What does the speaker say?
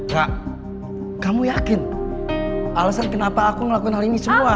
kak kamu yakin alasan kenapa aku ngelakukan hal ini semua